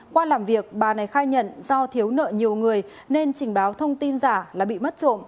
qua làm việc bà này khai nhận do thiếu nợ nhiều người nên trình báo thông tin giả là bị mất trộm